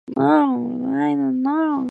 No, I don't know.